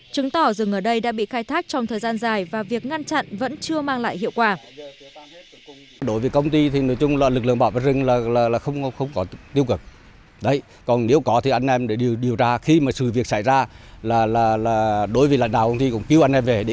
chứng tỏ rừng ở đây đã bị khai thác trong thời gian dài và việc ngăn chặn vẫn chưa mang lại hiệu quả